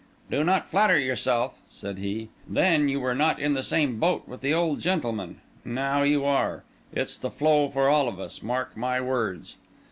"Do not flatter yourself," said he. "Then you were not in the same boat with the old gentleman; now you are. It's the floe for all of us, mark my words."